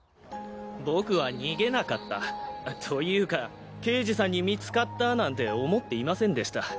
僕は逃げなかったというか刑事さんに見つかったなんて思っていませんでした。